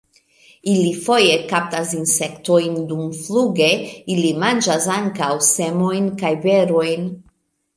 Ili foje kaptas insektojn dumfluge; ili manĝas ankaŭ semojn kaj berojn.